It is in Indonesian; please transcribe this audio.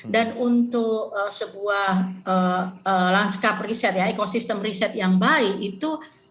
dan untuk sebuah landscape riset ya ekosistem riset yang baik itu